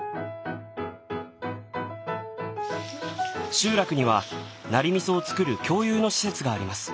集落にはナリ味噌を作る共有の施設があります。